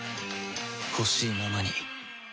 ほしいままに